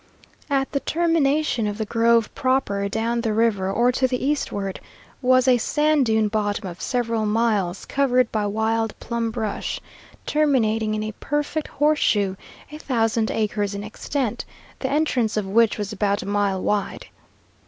At the termination of the grove proper, down the river or to the eastward, was a sand dune bottom of several miles, covered by wild plum brush, terminating in a perfect horseshoe a thousand acres in extent, the entrance of which was about a mile wide.